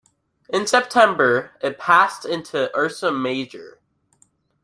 In September it passed into Ursa Major.